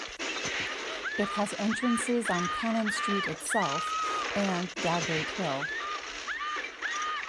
It has entrances on Cannon Street itself and Dowgate Hill.